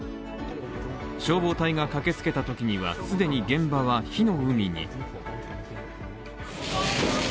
消防隊が駆けつけたときには既に現場は火の海に。